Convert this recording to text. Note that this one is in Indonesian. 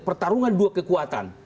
pertarungan dua kekuatan